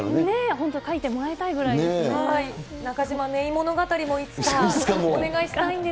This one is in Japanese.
本当、描いてもらいたいぐらいで中島芽生物語もいつかお願い